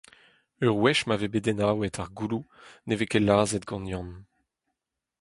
Ur wech ma vez bet enaouet ar gouloù ne vez ket lazhet gant Yann.